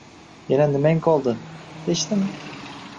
Yana nimang qoldi? Hech nima…